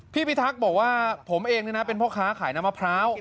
พี่พีทักบอกว่าผมเองเนี่ยนะเป็นพ่อค้าขายน้ำมะพร้าว